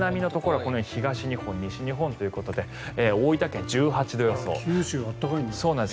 このように東日本、西日本ということで大分県１８度予想。